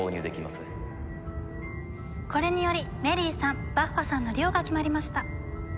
これによりメリーさんバッファさんのデュオが決まりました。